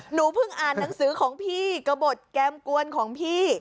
หนูเพิ่งอ่านหนังสือของพี่กระบดแก้มกวนของพี่